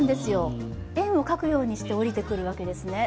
円を描くようにして下りてくるわけですね。